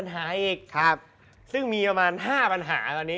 ไหนมีอะไร